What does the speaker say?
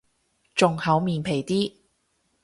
仲厚面皮啲